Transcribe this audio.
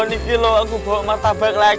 nih kelo aku bawa martabak lagi